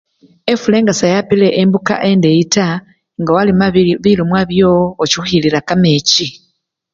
Efula nga seyapile embuka endeyi taa nga walima bilyo bilimwa byowo ochukhilila kamechi.